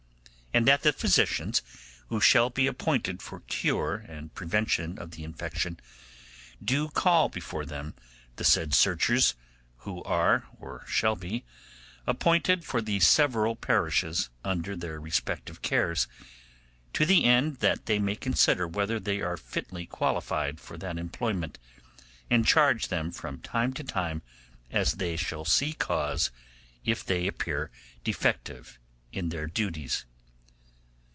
And that the physicians who shall be appointed for cure and prevention of the infection do call before them the said searchers who are, or shall be, appointed for the several parishes under their respective cares, to the end they may consider whether they are fitly qualified for that employment, and charge them from time to time as they shall see cause, if they appear defective in their duties.